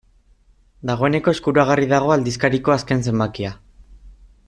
Dagoeneko eskuragarri dago aldizkariko azken zenbakia.